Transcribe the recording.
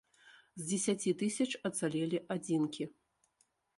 З дзесяці тысяч ацалелі адзінкі.